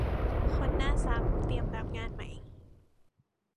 คนหน้าซ้ำเตรียมรับงานใหม่